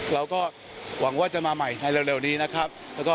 เราก็หวังว่าจะมาใหม่ในเร็วนี้นะครับ